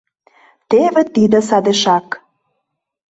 Теве тиде садешак